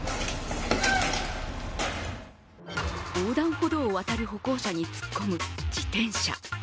横断歩道を渡る歩行者に突っ込む自転車。